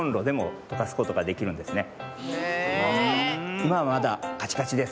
いまはまだカチカチです。